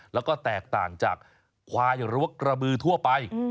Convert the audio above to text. แล้วก็แตกต่างจากควายหรือว่ากระบือทั่วไป